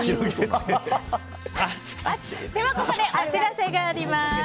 ここでお知らせがあります。